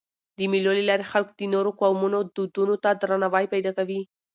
د مېلو له لاري خلک د نورو قومونو دودونو ته درناوی پیدا کوي.